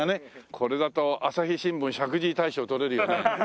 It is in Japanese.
これだと朝日新聞石神井大賞取れるよね。